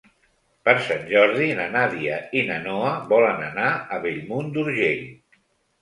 Per Sant Jordi na Nàdia i na Noa volen anar a Bellmunt d'Urgell.